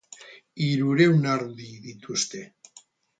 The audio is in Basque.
Hirurehun ardi dituzte.